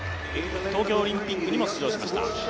東京オリンピックにも出場しました。